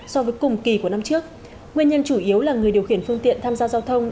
so với cùng kỳ của năm trước nguyên nhân chủ yếu là người điều khiển phương tiện tham gia giao thông